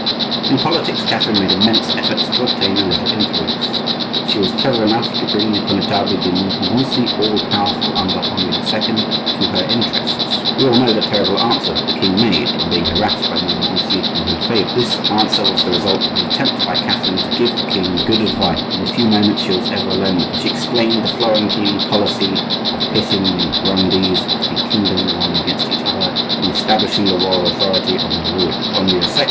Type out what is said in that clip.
In politics, Catherine made immense efforts to obtain a little influence. She was clever enough to bring the Connetable de Montmorency, all powerful under Henri II., to her interests. We all know the terrible answer that the king made, on being harassed by Montmorency in her favor. This answer was the result of an attempt by Catherine to give the king good advice, in the few moments she was ever alone with him, when she explained the Florentine policy of pitting the grandees of the kingdom one against another and establishing the royal authority on their ruins. But Henri II.